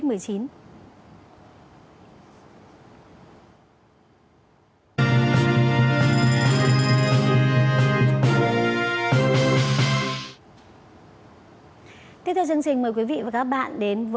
đồng thời đề nghị chính phủ chỉ đạo bộ tài chính tổng cục thuế xem xét việc không thuế thuế thu nhập cá nhân một mươi đối với khoản tiền doanh nghiệp hỗ trợ người lao động việc mất việc làm do ảnh hưởng của đại dịch covid một mươi chín